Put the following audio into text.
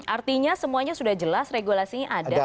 artinya semuanya sudah jelas regulasinya ada